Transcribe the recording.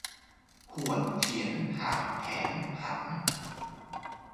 หวดเหียนหาดแหนหัน